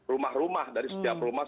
rumah rumah dari setiap rumah